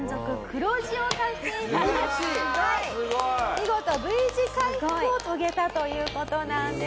見事Ｖ字回復を遂げたという事なんです。